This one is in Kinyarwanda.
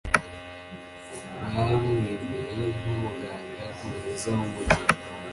bamwemeye nkumuganga mwiza wumujyi.